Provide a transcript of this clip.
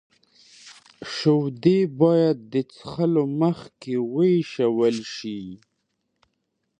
شیدې باید تل د څښلو مخکې ویشول شي.